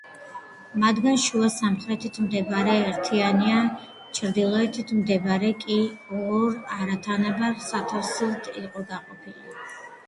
მათგან შუა სამხრეთით მდებარე ერთიანია, ჩრდილოეთით მდებარე კი, ორ არათანაბარ სათავსოდ იყო გაყოფილი.